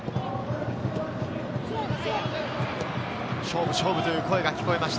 勝負、勝負という声が聞こえました。